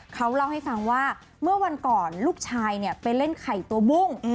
เขาเล่าให้ฟังว่าเมื่อวันก่อนลูกชายไปเล่นไข่ตัวบุ้ง